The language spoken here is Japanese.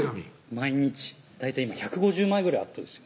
毎日大体今１５０枚ぐらいあるとですよ